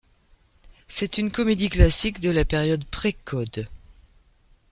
C'est une comédie classique de la période Pré-Code.